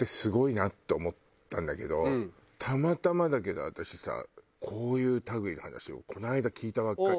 たまたまだけど私さこういう類いの話をこの間聞いたばっかりで。